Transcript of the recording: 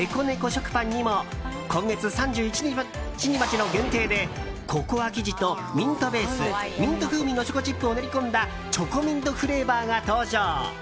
食パンにも今月３１日までの限定でココア生地とミントベースミント風味のチョコチップを練り込んだチョコミントフレーバーが登場。